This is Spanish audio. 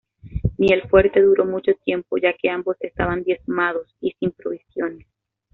Ni el fuerte duró mucho tiempo ya que ambos estaban diezmados y sin provisiones.